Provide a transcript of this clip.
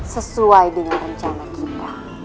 sesuai dengan rencana kita